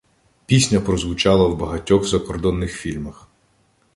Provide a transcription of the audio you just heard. Пісня прозвучала в багатьох закордонних фільмах